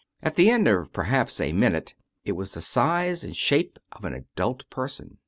At the end of' perhaps a minute it was the size and shape of an adult person.